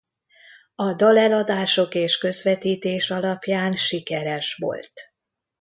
A dal eladások és közvetítés alapján sikeres volt.